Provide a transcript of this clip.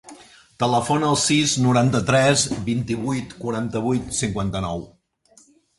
Telefona al sis, noranta-tres, vint-i-vuit, quaranta-vuit, cinquanta-nou.